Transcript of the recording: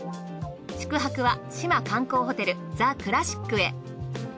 宿泊は志摩観光ホテルザクラシックへ。